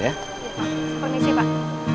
iya pak sampai besi pak